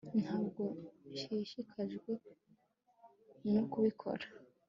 ntabwo nshishikajwe no kubikora